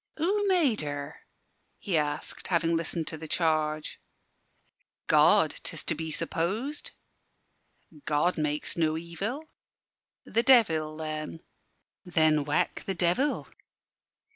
"Who made her?" he asked, having listened to the charge. "God, 'tis to be supposed." "God makes no evil." "The Devil, then." "Then whack the Devil."